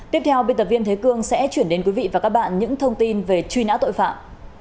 tiếp theo biên tập viên thế cương sẽ chuyển đến quý vị và các bạn những thông tin về truy nã tội phạm